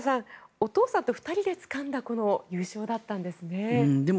お父さんと２人でつかんだこの優勝だったんですね。